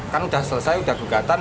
kan udah selesai udah gugatan